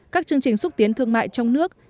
các chương trình xúc tiến thương mại trong nước